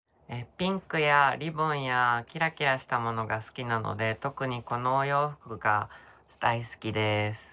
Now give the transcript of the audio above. ピンクやリボンやキラキラしたものがすきなのでとくにこのおようふくがだいすきです。